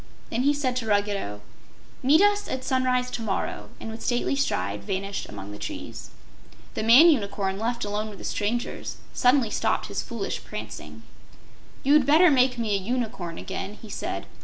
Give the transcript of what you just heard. Then he said to Ruggedo: "Meet us at sunrise to morrow," and with stately stride vanished among the trees. The man unicorn, left alone with the strangers, suddenly stopped his foolish prancing. "You'd better make me a Unicorn again," he said.